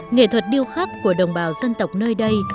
nghệ thuật điêu khắc của đồng bào dân tộc nơi đây